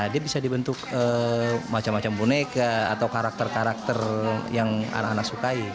dia bisa dibentuk macam macam boneka atau karakter karakter yang anak anak sukai